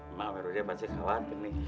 emak berudah bantuin kawan